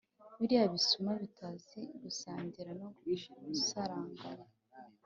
Biriya bisuma bitazi gusangira no gusaranganya